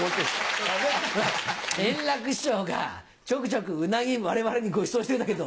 円楽師匠がちょくちょくうなぎ我々にごちそうしてたけど。